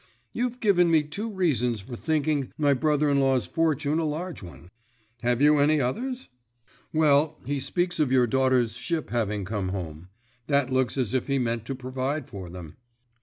You've given me two reasons for thinking my brother in law's fortune a large one. Have you any others?" "Well, he speaks of your daughters' ship having come home. That looks as if he meant to provide for them."